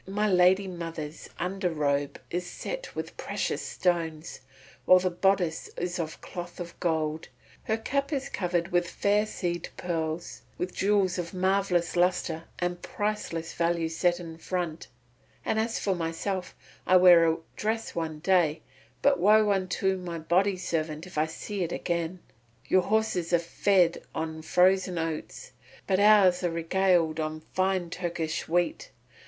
My lady mother's under robe is set with precious stones, while the bodice is of cloth of gold; her cap is covered with fair seed pearls with jewels of marvellous lustre and priceless value set in front, and as for myself I wear a dress one day, but woe unto my body servant if I see it again. Your horses are fed on frozen oats, but ours are regaled on fine Turkish wheat.